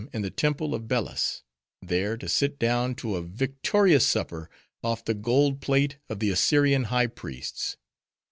in the Temple of Belus; there, to sit down to a victorious supper, off the gold plate of the Assyrian High Priests.